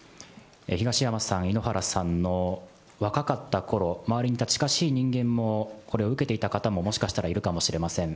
東山さん、井ノ原さんの若かったころ、周りにいた近しい人間も、これを受けていた方も、もしかしたらいるかもしれません。